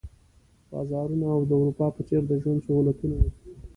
بازارونه او د اروپا په څېر د ژوند سهولتونه وو.